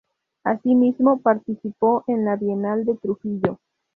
Asimismo, participó en la Bienal de Trujillo.